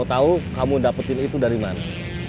saya mau tahu kamu dapetin itu dari mana